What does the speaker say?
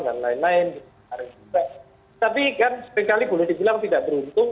dan lain lain tapi kan seringkali boleh dibilang tidak beruntung